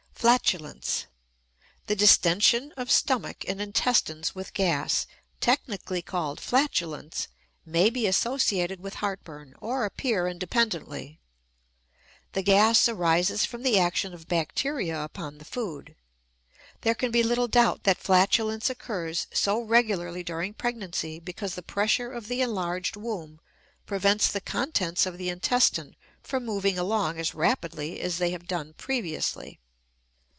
FLATULENCE. The distention of stomach and intestines with gas, technically called flatulence, may be associated with heartburn or appear independently. The gas arises from the action of bacteria upon the food. There can be little doubt that flatulence occurs so regularly during pregnancy because the pressure of the enlarged womb prevents the contents of the intestine from moving along as rapidly as they have done previously.